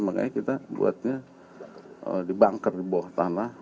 makanya kita buatnya dibanker di bawah tanah